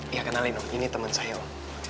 iya kenalin om ini temen saya om